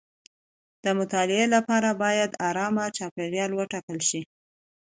د مطالعې لپاره باید ارام چاپیریال وټاکل شي.